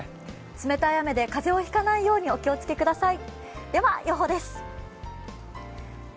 冷たい雨で風邪をひかないようにお気をつけください。